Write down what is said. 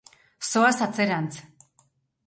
Zoaz atzerantz.